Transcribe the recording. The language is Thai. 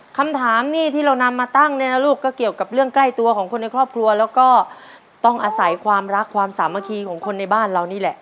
คำถามนี่ที่เรานำมาตั้งเนี่ยนะลูกก็เกี่ยวกับเรื่องใกล้ตัวของคนในครอบครัวแล้วก็ต้องอาศัยความรักความสามัคคีของคนในบ้านเรานี่แหละ